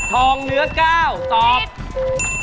ทองเหนือก้าวตอบปี๊ด